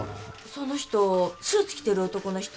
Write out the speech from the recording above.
その人スーツ着てる男の人？